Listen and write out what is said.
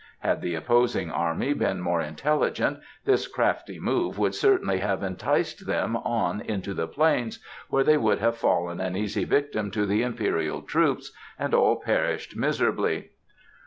Had the opposing army been more intelligent, this crafty move would certainly have enticed them on into the plains, where they would have fallen an easy victim to the Imperial troops and all perished miserably.